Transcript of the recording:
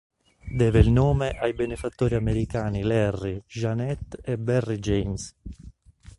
Deve il nome ai benefattori americani Larry, Jeanette e Barry James.